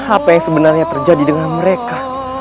apa yang sebenarnya terjadi dengan mereka